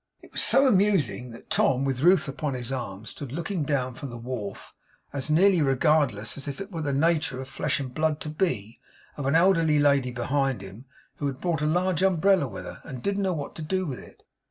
It was so amusing, that Tom, with Ruth upon his arm, stood looking down from the wharf, as nearly regardless as it was in the nature of flesh and blood to be, of an elderly lady behind him, who had brought a large umbrella with her, and didn't know what to do with it.